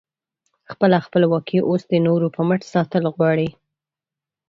خپله خپلواکي اوس د نورو په مټ ساتل غواړې؟